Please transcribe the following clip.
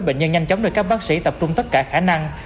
bệnh nhân nhanh chóng được các bác sĩ tập trung tất cả khả năng